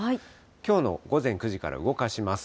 きょうの午前９時から動かします。